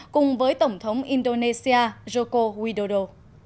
cùng với tổng thống indonesia joko widodo